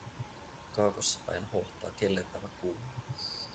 Kaakossa päin hohtaa kellertävä kuu.